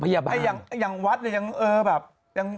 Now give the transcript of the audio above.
อย่างวัดเนี่ย